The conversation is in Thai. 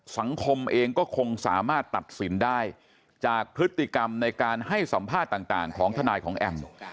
สังคมเองก็คงสามารถตัดสินได้จากพฤติกรรมในการให้สัมภาษณ์ต่างของทนายของแอม